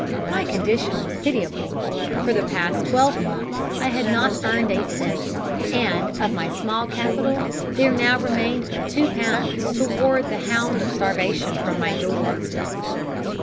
"My condition was pitiable. For the past twelve months I had not earned a cent, and of my small capital there now remained but two pounds to ward the hound of starvation from my door.